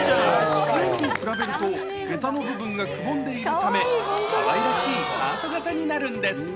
普通のに比べるとへたの部分がくぼんでいるため、かわいらしいハート形になるんです。